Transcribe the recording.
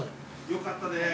よかったです！